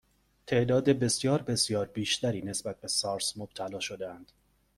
تعداد بسیار بسیار بیشتری نسبت به سارس مبتلا شدهاند